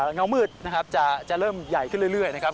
เงามืดนะครับจะเริ่มใหญ่ขึ้นเรื่อยนะครับ